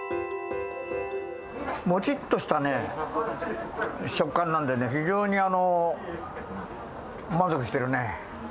もちっとしたね、食感なんでね、非常に満足してるね。